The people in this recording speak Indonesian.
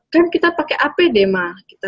kan kita pakai ap deh ma